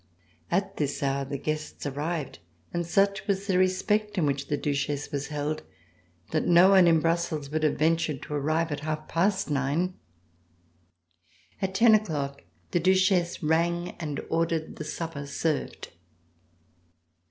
At this hour the guests arrived, and such was the respect in which the Duchesse was held that no one in Brussels would have ventured to arrive at half past nine. At ten o'clock the Duchesse rang and ordered the supper served.